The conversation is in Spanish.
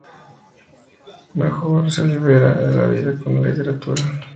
O mejor, se libera de la vida con la literatura.